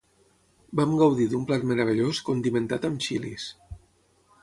Vam gaudir d'un plat meravellós condimentat amb xilis.